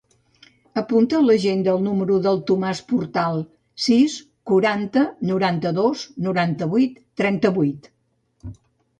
Apunta a l'agenda el número del Tomàs Portal: sis, quaranta, noranta-dos, noranta-vuit, trenta-vuit.